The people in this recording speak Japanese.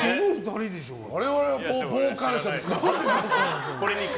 我々は傍観者ですから。